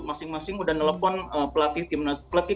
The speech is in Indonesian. masing masing udah nelfon pelatih